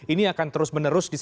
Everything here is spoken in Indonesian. ini akan terus menerus disampaikan